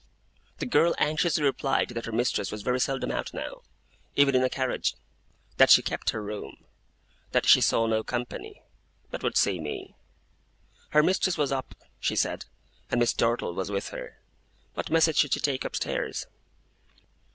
The girl anxiously replied that her mistress was very seldom out now, even in a carriage; that she kept her room; that she saw no company, but would see me. Her mistress was up, she said, and Miss Dartle was with her. What message should she take upstairs?